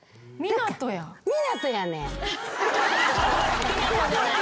湊斗やねん。